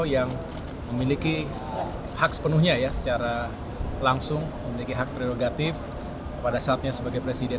yang memiliki hak sepenuhnya ya secara langsung memiliki hak prerogatif pada saatnya sebagai presiden